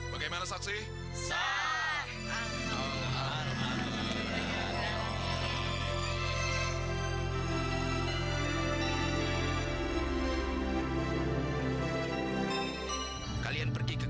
makasih bu ya